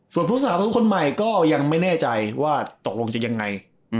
ส่วนผู้สนับสนุนคนใหม่ก็ยังไม่แน่ใจว่าตกลงจะยังไง